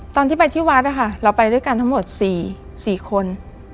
ตอนที่ไปที่วัดนะคะเราไปด้วยกันทั้งหมด๔คน